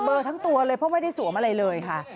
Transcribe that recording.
ทั้งตัวเลยเพราะไม่ได้สวมอะไรเลยค่ะ